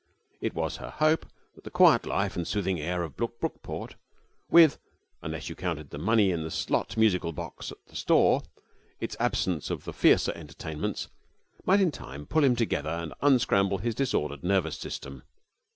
It was her hope that the quiet life and soothing air of Brookport, with unless you counted the money in the slot musical box at the store its absence of the fiercer excitements, might in time pull him together and unscramble his disordered nervous system.